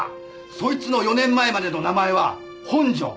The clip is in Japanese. そいつの４年前までの名前は本庄。